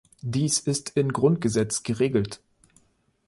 Dies ist in Grundgesetz geregelt.